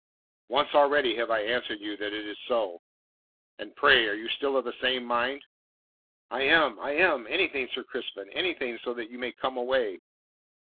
"Once already have I answered you that it is so." "And pray, are you still of the same mind?" "I am, I am! Anything, Sir Crispin; anything so that you come away!"